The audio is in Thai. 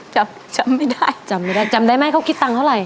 จำจำไม่ได้จำไม่ได้จำได้ไหมเขาคิดตังค์เท่าไหร